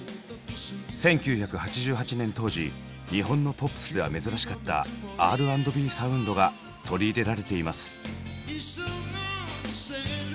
１９８８年当時日本のポップスでは珍しかったＲ＆Ｂサウンドが取り入れられています。